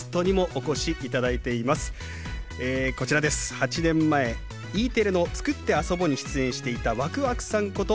８年前Ｅテレの「つくってあそぼ」に出演していたわくわくさんこと